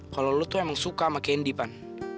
kalau lo tuh emang suka sama candy pan